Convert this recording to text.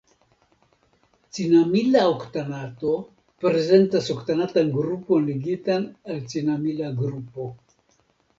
Cinamila oktanato prezentas oktanatan grupon ligitan al cinamila grupo.